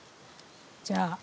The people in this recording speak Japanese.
じゃあ。